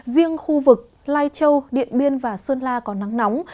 riêng khu vực lai châu điện biên và sơn la có nắng nóng